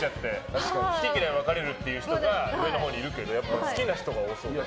好き嫌い分かれるって人が上のほうにいるけどやっぱり好きな人が多そう。